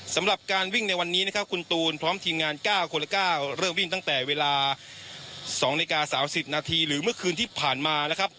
สำหรับการวิ่งในวันนี้นะครับคุณตูนพร้อมทีมงาน๙คนละ๙เริ่มวิ่งตั้งแต่เวลา๒นาฬิกา๓๐นาทีหรือเมื่อคืนที่ผ่านมานะครับ